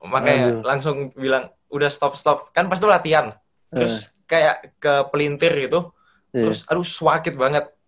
makanya langsung bilang udah stop stop kan pas itu latihan terus kayak ke pelintir gitu terus aduh suakit banget